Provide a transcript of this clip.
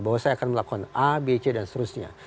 bahwa saya akan melakukan a b c dan seterusnya